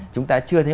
chúng ta chưa thấy